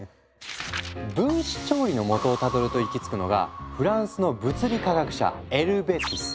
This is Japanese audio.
分子料理のもとをたどると行き着くのがフランスの物理化学者エルヴェ・ティス。